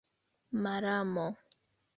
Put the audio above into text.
malamo